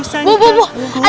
sakit butuh pertolongan